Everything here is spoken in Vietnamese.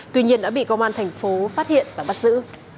tuy nhiên đã bị công an thành phố phát hiện và bắt giữ